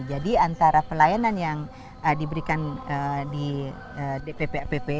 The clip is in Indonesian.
jadi antara pelayanan yang diberikan di ppapp